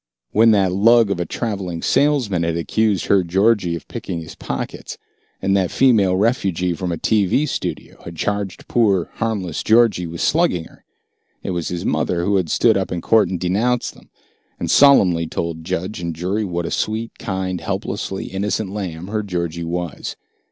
When that lug of a traveling salesman had accused her Georgie of picking his pockets, and that female refugee from a TV studio had charged poor harmless Georgie with slugging her, it was his mother who had stood up in court and denounced them, and solemnly told judge and jury what a sweet, kind, helplessly innocent lamb her Georgie was.